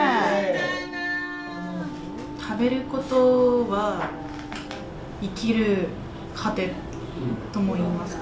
「食べることは生きる糧」ともいいますか。